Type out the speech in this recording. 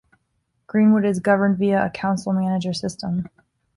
Greenwood is governed via a council-manager system.